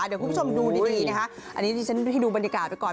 เดี๋ยวคุณผู้ชมดูดีนะคะอันนี้ที่ฉันให้ดูบรรยากาศไปก่อน